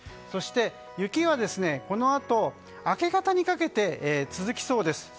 そして、雪はこのあと明け方にかけて続きそうです。